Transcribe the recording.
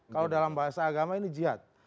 kalau dalam bahasa agama ini jihad